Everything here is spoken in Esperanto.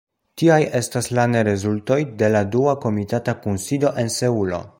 Tiaj estas la nerezultoj de la dua komitata kunsido en Seulo.